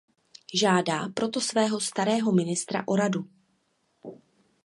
Žádá proto svého starého ministra o radu.